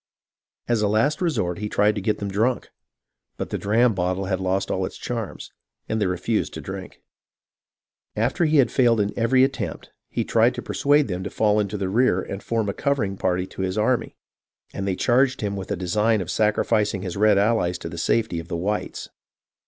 As a last resort, he tried to get them drunk ; but the dram bottle had lost all its charms, and they refused to drink. " After he had failed in every attempt, he tried to per suade them to fall into the rear and form a covering party to his army, and they charged him with a design of sacrificing his red allies to the safety of the whites.